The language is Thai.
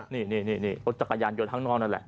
นี่รถจักรยานยนต์ข้างนอกนั่นแหละ